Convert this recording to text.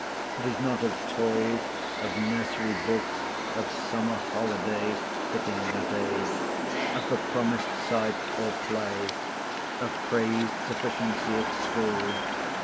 It is not of toys, of nursery books, of summer holidays (fitting that age); of the promised sight, or play; of praised sufficiency at school.